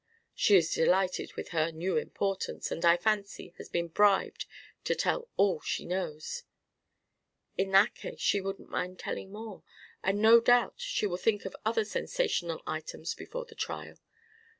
"She is delighted with her new importance, and, I fancy, has been bribed to tell all she knows." "In that case she wouldn't mind telling more. And no doubt she will think of other sensational items before the trial.